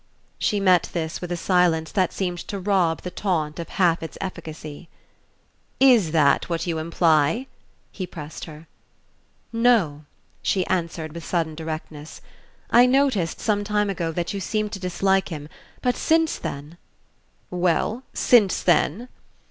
She met this with a silence that seemed to rob the taunt of half its efficacy. "Is that what you imply?" he pressed her. "No," she answered with sudden directness. "I noticed some time ago that you seemed to dislike him, but since then " "Well since then?"